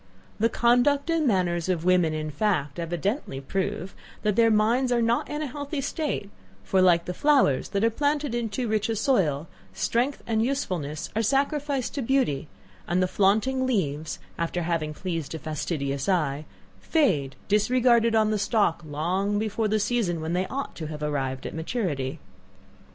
The conduct and manners of women, in fact, evidently prove, that their minds are not in a healthy state; for, like the flowers that are planted in too rich a soil, strength and usefulness are sacrificed to beauty; and the flaunting leaves, after having pleased a fastidious eye, fade, disregarded on the stalk, long before the season when they ought to have arrived at maturity.